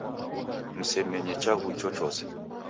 Msemenye chaghu ichochose